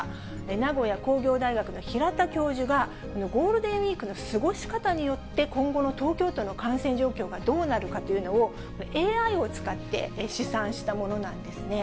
名古屋工業大学の平田教授がこのゴールデンウィークの過ごし方によって、今後の東京都の感染状況がどうなるかというのを、ＡＩを使って試算したものなんですね。